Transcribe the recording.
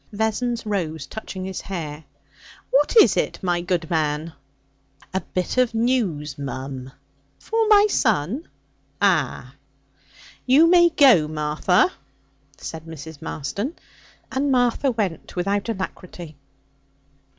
Vessons rose, touching his hair. 'What is it, my good man?' 'A bit of news, mum.' 'For my son?' 'Ah!' 'You may go, Martha,' said Mrs. Marston, and Martha went without alacrity.